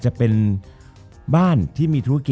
จบการโรงแรมจบการโรงแรม